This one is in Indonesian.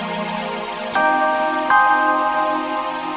tidak ada apa apa